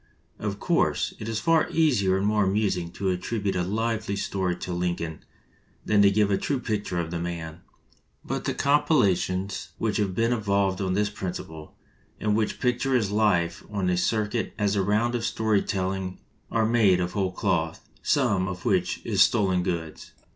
Of course, it is far easier and more amusing to attribute a lively story to Lin coln than to give a true picture of the man; but the compilations which have been evolved on this principle, and which picture his life on the cir cuit as a round of story telling, are made out of whole cloth — some of which is stolen goods.